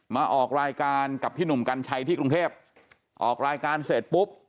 มาออกรายการกับพี่หนุ่มกัญชัยที่กรุงเทพออกรายการเสร็จปุ๊บ